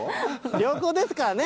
良好ですからね。